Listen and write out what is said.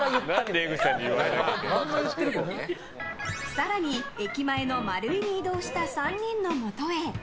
更に、駅前のマルイに移動した３人のもとへ。